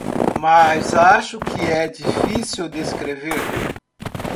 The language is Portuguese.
Mas acho que é difícil descrever